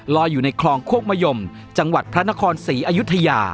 ลอยอยู่ในคลองควกมะยมจังหวัดพระนครสีอายุทยา